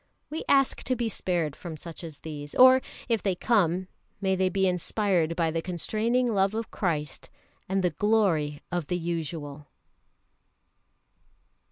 We ask to be spared from such as these. Or if they come, may they be inspired by the constraining love of Christ and "The Glory of the Usual."